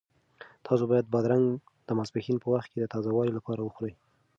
تاسو باید بادرنګ د ماسپښین په وخت کې د تازه والي لپاره وخورئ.